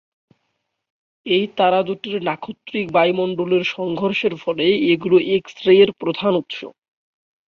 এই তারা দুটির নাক্ষত্রিক বায়ু মন্ডলের সংঘর্ষের ফলে এগুলো 'এক্স-রে' এর প্রধান উৎস।